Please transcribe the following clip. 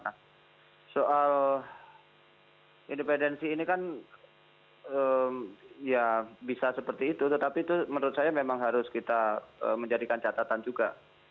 nah soal independensi ini kan ya bisa seperti itu tetapi itu menurut saya memang harus kita menjadikan catatan juga